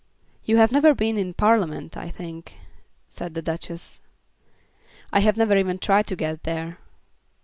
"You have never been in Parliament, I think," said the Duchess. "I have never even tried to get there."